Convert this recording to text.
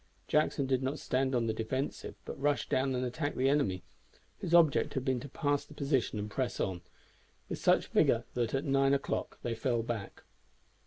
Jackson did not stand on the defensive, but rushed down and attacked the enemy whose object had been to pass the position and press on with such vigor that at nine o'clock they fell back.